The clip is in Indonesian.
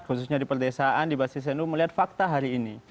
khususnya di perdesaan di basis nu melihat fakta hari ini